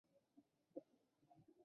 金毛鼹属等之数种哺乳动物。